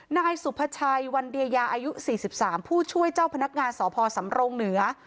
นายสุภาชัยวันเดียยาอายุ๔๓ผู้ช่วยเจ้าพนักงานสพสำรงเหนือ